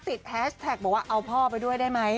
แฮชแท็กบอกว่าเอาพ่อไปด้วยได้ไหม